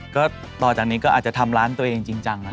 ก็ต่อจากนี้ก็อาจจะทำร้านตัวเองจริงจัง